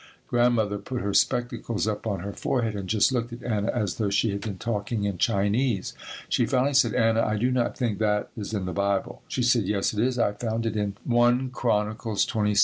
Grandmother put her spectacles up on her forehead and just looked at Anna as though she had been talking in Chinese. She finally said, "Anna, I do not think that is in the Bible." She said, "Yes, it is; I found it in 1 Chron. 26: 18."